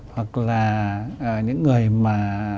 hoặc là những người mà